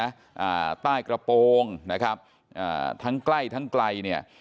อ่าใต้กระโปรงนะครับอ่าทั้งใกล้ทั้งไกลเนี่ย